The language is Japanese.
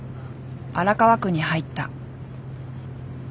荒川区に入った。